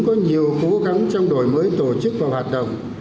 có nhiều cố gắng trong đổi mới tổ chức và hoạt động